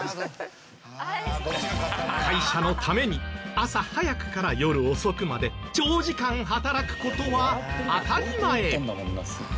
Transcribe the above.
会社のために朝早くから夜遅くまで長時間働く事は当たり前。